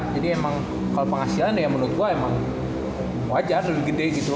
jadi emang kalo penghasilan ya menurut gue emang wajar lebih gede gitu